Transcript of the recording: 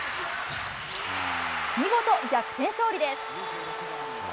見事、逆転勝利です。